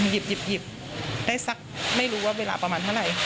หยิบได้สักไม่รู้ว่าเวลาประมาณเท่าไหร่